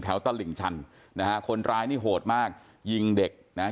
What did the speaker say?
ตลิ่งชันนะฮะคนร้ายนี่โหดมากยิงเด็กนะฮะ